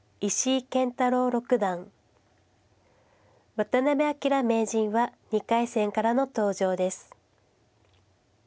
渡辺明名人は２回戦からの登場です。